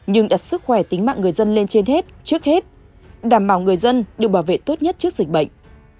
nhưng đặt sức khỏe tính mạng người dân lên trên hết trước hết đảm bảo người dân được bảo vệ tốt nhất trước dịch bệnh